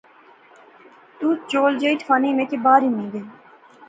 تو چول جئے ٹھوائی میں کی بہار ہنی گئے